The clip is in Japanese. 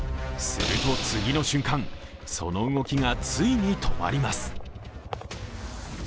すると次の瞬間、その動きがついに止まります。